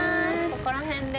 ここら辺で。